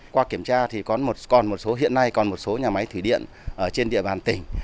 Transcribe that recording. qua kiểm tra thì hiện nay còn một số nhà máy thủy điện trên địa bàn tỉnh